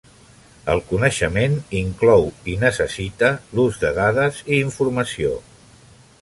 El coneixement inclou i necessita l'ús de dades i informació.